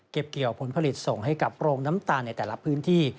เกี่ยวผลผลิตส่งให้กับโรงน้ำตาลในแต่ละพื้นที่